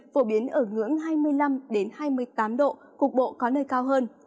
phổ biến ở ngưỡng hai mươi năm hai mươi tám độ cục bộ có nơi cao hơn